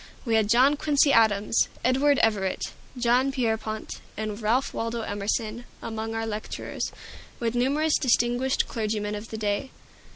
We had John Quincy Adams, Edward Everett, John Pierpont, and Ralph Waldo Emerson among our lecturers, with numerous distinguished clergymen of the day.